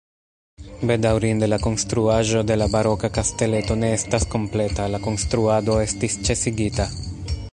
Bedaŭrinde la konstruaĵo de la baroka kasteleto ne estas kompleta, la konstruado estis ĉesigita.